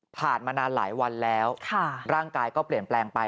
ผ่านมานานหลายวันแล้วร่างกายก็เปลี่ยนแปลงไป